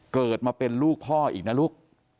เกิดมาเป็นลูกพ่ออีกนะลูก